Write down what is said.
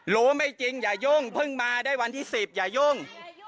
รู้ไม่จริงอย่ายุ่งเพิ่งมาได้วันที่๑๐อย่ายุ่ง